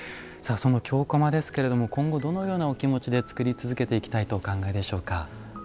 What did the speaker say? その京こまですけれども、今後どのようなお気持ちで作り続けていきたいとお考えでしょうか？